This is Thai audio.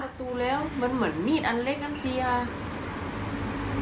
ประตูแล้วมันเหมือนมีดอันเล็กอันเปีย